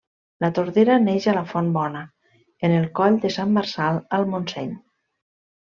La Tordera neix a la Font Bona, en el Coll de Sant Marçal al Montseny.